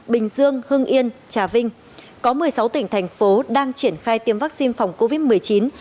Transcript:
bình dương hưng yên trà vinh có một mươi sáu tỉnh thành phố đang triển khai tiêm vaccine phòng covid một mươi chín